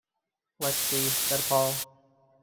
“Let’s see,” said Paul.